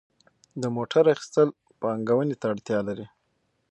د موټر اخیستل پانګونې ته اړتیا لري.